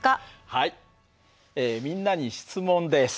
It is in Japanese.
はいみんなに質問です。